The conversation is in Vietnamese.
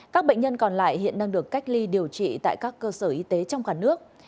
các bệnh nhân còn lại hiện đang được cách ly điều trị tại các cơ sở y tế trong cả nước